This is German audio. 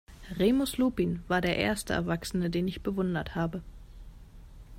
Remus Lupin war der erste Erwachsene, den ich bewundert habe.